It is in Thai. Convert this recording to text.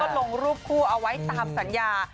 ลงรูปคู่เอาไว้ตามสัญญา